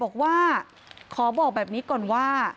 เป็นพระรูปนี้เหมือนเคี้ยวเหมือนกำลังทำปากขมิบท่องกระถาอะไรสักอย่าง